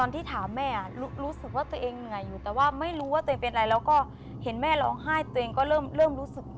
คิดว่าตัวเองปกติ